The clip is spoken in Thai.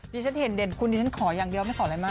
ฉันเห็นเด่นคุณดิฉันขออย่างเดียวไม่ขออะไรมาก